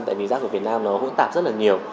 tại vì rác ở việt nam hỗn tạp rất nhiều